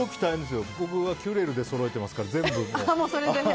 僕はキュレルでそろえてますから。